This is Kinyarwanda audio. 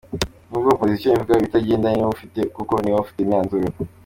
N’ubwo opposition ivuga ibitagenda niwe urufite kuko niwe ufata imyanzuro.